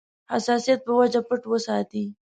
حساسیت په وجه پټ وساتي.